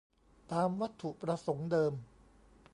"ตามวัตถุประสงค์เดิม"